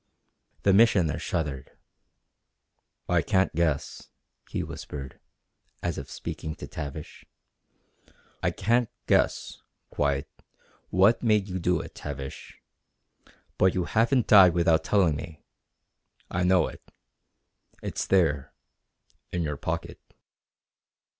The Missioner shuddered. "I can't guess," he whispered, as if speaking to Tavish. "I can't guess quite what made you do it, Tavish. But you haven't died without telling me. I know it. It's there in your pocket."